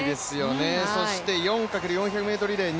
そして４×４００ｍリレー